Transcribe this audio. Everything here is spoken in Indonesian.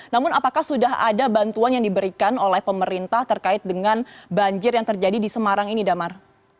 namun apakah sudah ada bantuan yang diberikan oleh pemerintah terkait dengan banjir yang terjadi di semarang ini damar